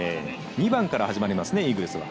２番から始まりますねイーグルスは。